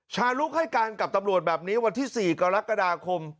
ชาลุกให้การกับตำรวจแบบนี้วันที่๔กรกฎาคม